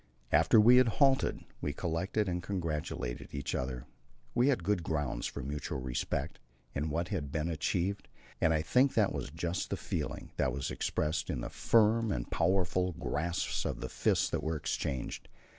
After we had halted we collected and congratulated each other. We had good grounds for mutual respect in what had been achieved, and I think that was just the feeling that was expressed in the firm and powerful grasps of the fist that were exchanged.